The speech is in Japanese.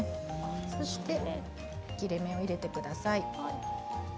そして切れ目を入れてください。